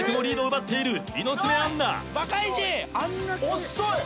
おっそい！